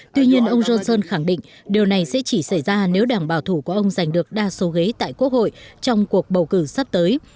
tuy nhiên ông johnson khẳng định điều này sẽ chỉ xảy ra nếu đảng bảo thủ của ông giành được đa số ghế tại quốc hội trong cuộc bầu cử sắp tới